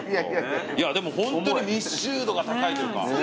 いやでもホントに密集度が高いというか。